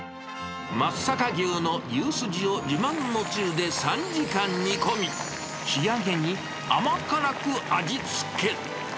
松阪牛の牛すじを自慢のつゆで３時間煮込み、仕上げに甘辛く味付け。